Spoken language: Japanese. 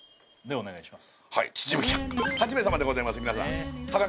お願いします。